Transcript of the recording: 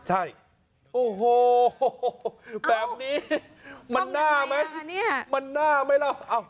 ใช่โอ้โหแบบนี้มันหน้าไหมมันหน้าไหมล่ะ